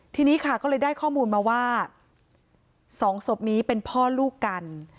ทีนี้ค่ะก็เลยได้ข้อมูลมาว่า๒ศพนี้เป็นพ่อลูกกัน